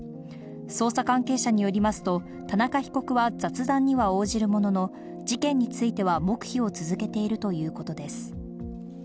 捜査関係者によりますと、田中被告は雑談には応じるものの、事件については黙秘を続けているということです。